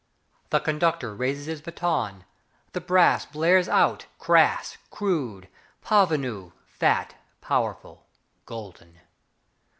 The conductor raises his baton, The brass blares out Crass, crude, Parvenu, fat, powerful, Golden.